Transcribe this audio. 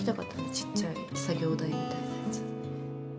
ちっちゃい作業台みたいなやつ。